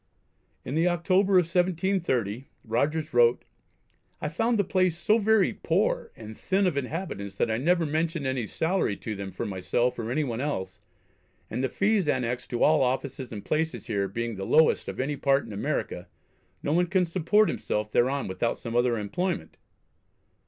In the October of 1730 Rogers wrote: "I found the place so very poor and thin of inhabitants that I never mentioned any salary to them for myself or any one else, and the fees annexed to all offices and places here being the lowest of any part in America, no one can support himself thereon without some other employment."